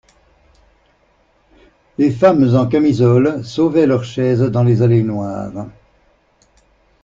Les femmes en camisole sauvaient leurs chaises dans les allées noires.